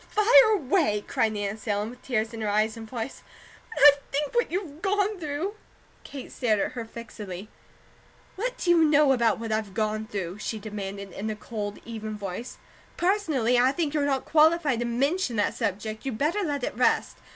"Fire away!" cried Nancy Ellen, with tears in her eyes and voice. "When I think what you've gone through " Kate stared at her fixedly. "What do you know about what I've gone though?" she demanded in a cold, even voice. "Personally, I think you're not qualified to MENTION that subject; you better let it rest.